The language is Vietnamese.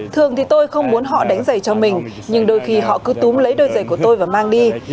thường thì tôi không muốn họ đánh giày cho mình nhưng đôi khi họ cứ túm lấy đôi giày của tôi và mang đi